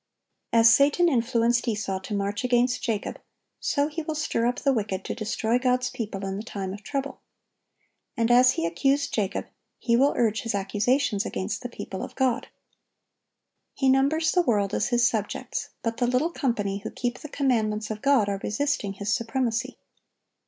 As Satan influenced Esau to march against Jacob, so he will stir up the wicked to destroy God's people in the time of trouble. And as he accused Jacob, he will urge his accusations against the people of God. He numbers the world as his subjects; but the little company who keep the commandments of God are resisting his supremacy.